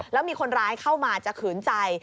แล้วมีคนร้ายเข้ามาจะขืนใจ